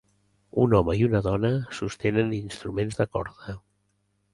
Un home i una dona sostenen instruments de corda.